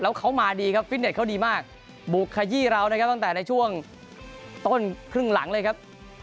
แล้วเขามาดีครับฟิตเน็ตเขาดีมากบุกขยี้เรานะครับตั้งแต่ในช่วงต้นครึ่งหลังเลยครับ